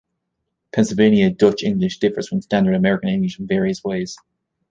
Pennsylvania Dutch English differs from standard American English in various ways.